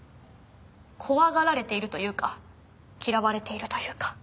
怖がられているというか嫌われているというか。